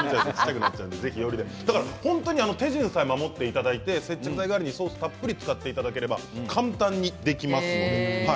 本当に手順さえ守っていただいて接着剤代わりにソースをたっぷり使っていただければ簡単にできます。